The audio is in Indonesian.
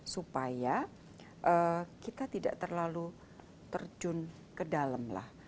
supaya kita tidak terlalu terjun ke dalam lah